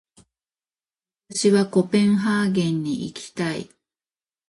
私はコペンハーゲンに行きたい。